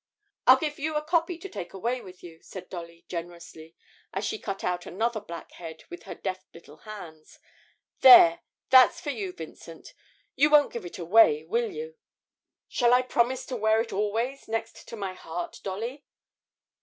'I'll give you a copy to take away with you,' said Dolly, generously, as she cut out another black head with her deft little hands. 'There, that's for you, Vincent you won't give it away, will you?' 'Shall I promise to wear it always next to my heart, Dolly?'